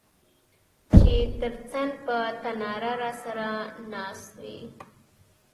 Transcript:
چي تر څنګ په تناره راسره ناست وې